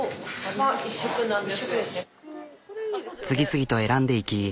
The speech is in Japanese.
次々と選んでいき。